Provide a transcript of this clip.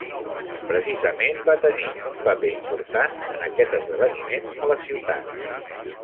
Precisament va tenir un paper important en aquest esdeveniment a la ciutat.